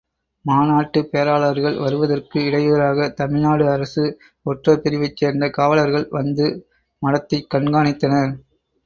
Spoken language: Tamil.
மாநாட்டுப் பேராளர்கள் வருவதற்கு இடையூறாக தமிழ்நாடு அரசு ஒற்றர் பிரிவைச் சேர்ந்த காவலர்கள் வந்து மடத்தைக் கண்காணித்தனர்.